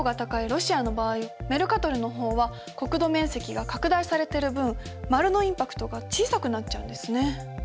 ロシアの場合メルカトルの方は国土面積が拡大されてる分丸のインパクトが小さくなっちゃうんですね。